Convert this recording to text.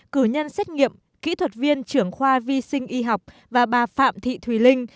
cử nhân xét nghiệm kỹ thuật viên trưởng khoa vi sinh y học và bà phạm thị thùy linh